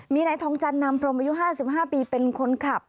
มีนายทองจันนามพรมอายุ๕๕ปีเป็นคนขับ